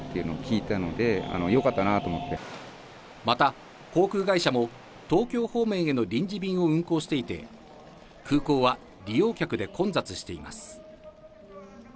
また航空会社も東京方面への臨時便を運航していて、空港は利用客で混雑しています。